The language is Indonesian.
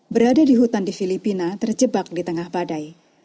berada di hutan di filipina terjebak di tengah badai